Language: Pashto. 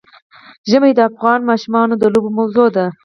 ژمی د افغان ماشومانو د لوبو موضوع ده.